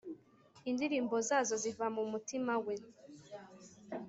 indirimbo zazo ziva mu mutima we,